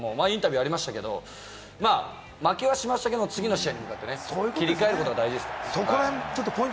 前にインタビューにありましたけれども、負けはしましたけれども、次の試合に向かって切り替えることが大事です。